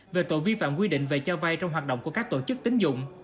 về tội vi phạm quy định về cho vay trong hoạt động của các tổ chức tính dụng